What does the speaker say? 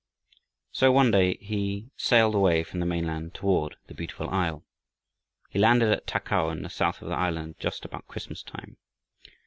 So, one day, he sailed away from the mainland toward the Beautiful Isle. He landed at Takow in the south of the island, just about Christmas time.